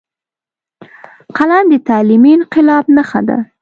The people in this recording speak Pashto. قلم د تعلیمي انقلاب نښه ده